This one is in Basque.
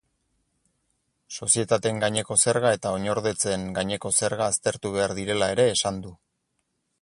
Sozietateen gaineko zerga eta oinordetzeen gaineko zerga aztertu behar direla ere esan du.